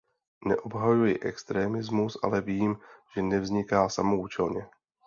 Neobhajuji extremismus, ale vím, že nevzniká samoúčelně.